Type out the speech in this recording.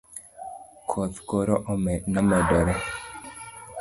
koth koro nomedore